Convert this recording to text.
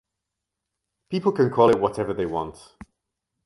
People can call it whatever they want.